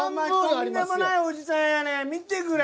とんでもないおじさんやねん見てくれ。